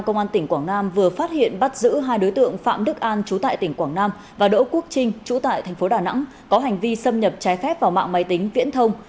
công an tỉnh quảng nam vừa phát hiện bắt giữ hai đối tượng phạm đức an chú tại tỉnh quảng nam và đỗ quốc trinh trú tại thành phố đà nẵng có hành vi xâm nhập trái phép vào mạng máy tính viễn thông